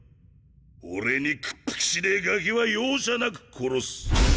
俺に屈服しねえガキは容赦なく殺す。